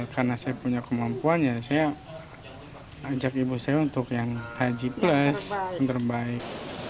karena saya punya kemampuan saya ajak ibu saya untuk yang haji plus yang terbaik